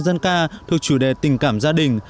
dân ca thuộc chủ đề tình cảm gia đình